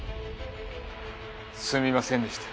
すみませんでした。